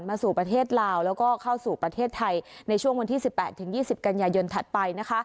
สู่ประเทศลาวแล้วก็เข้าสู่ประเทศไทยในช่วงวันที่๑๘๒๐กันยายนถัดไปนะคะ